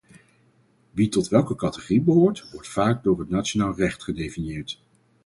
Wie tot welke categorie behoort, wordt vaak door het nationaal recht gedefinieerd.